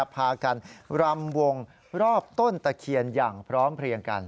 พากันรำวงรอบต้นตะเคียนอย่างพร้อมเพลียงกัน